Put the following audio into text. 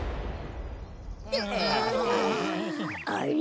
あれ？